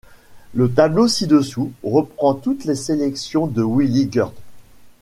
Le tableau ci-dessous reprend toutes les sélections de Willy Geurts.